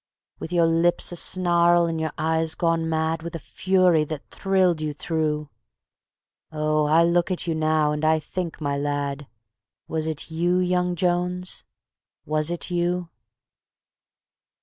With your lips asnarl and your eyes gone mad With a fury that thrilled you through. ... Oh, I look at you now and I think, my lad, Was it you, young Jones, was it you?